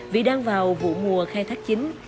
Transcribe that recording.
vì đang vào vụ mùa khai thác chính